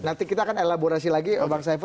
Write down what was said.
nanti kita akan elaborasi lagi bang saiful